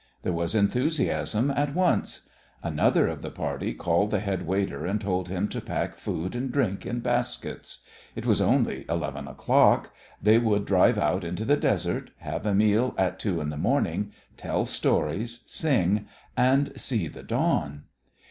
There was enthusiasm at once. Another of the party called the head waiter and told him to pack food and drink in baskets. It was only eleven o'clock. They would drive out into the desert, have a meal at two in the morning, tell stories, sing, and see the dawn.